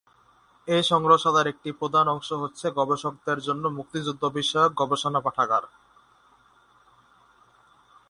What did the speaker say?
এ সংগ্রহশালার একটি প্রধান অংশ হচ্ছে গবেষকদের জন্য মুক্তিযুদ্ধ বিষয়ক গবেষণা পাঠাগার।